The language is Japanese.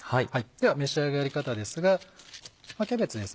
では召し上がり方ですがキャベツですね